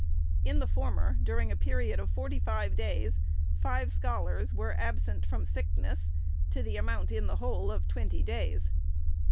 In the former, during a period of forty five days, five scholars were absent, from sickness, to the amount in the whole of twenty days.